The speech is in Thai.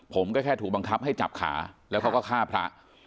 ผมก็แค่ถูกบังคับให้จับขาแล้วเขาก็ฆ่าพระ